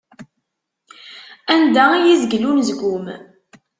Anda i yi-izgel unezgum.